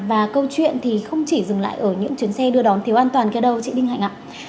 và câu chuyện thì không chỉ dừng lại ở những chuyến xe đưa đón thiếu an toàn thưa ông chị đinh hạnh ạ